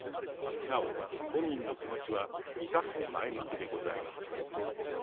なお、本人の気持ちは至って前向きでございます。